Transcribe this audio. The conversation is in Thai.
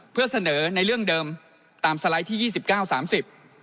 เพื่อเสนอในเรื่องเดิมตามสไลด์ที่ยี่สิบเก้าสามสิบ